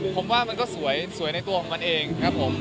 ผมว่ามันก็สวยในตัวของมันเองครับผม